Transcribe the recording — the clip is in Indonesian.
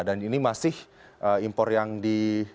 dan ini masih impor yang di